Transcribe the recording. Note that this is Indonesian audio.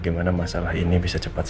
tidak ada masalah anda séal reinstitus